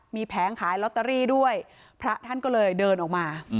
มีแผงขายลอตเตอรี่ด้วยพระท่านก็เลยเดินออกมา